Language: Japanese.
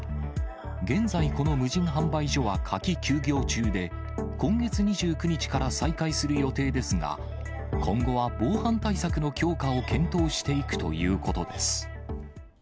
現在、この無人販売所は夏季休業中で、今月２９日から再開する予定ですが、今後は防犯対策の強化を検討していくということです。